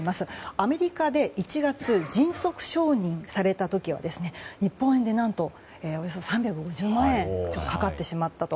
アメリカで１月に迅速承認された時は日本円で何とおよそ３５０万円かかってしまったと。